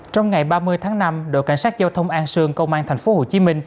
trong ngày ba mươi tháng năm đội cảnh sát giao thông an sương công an tp hcm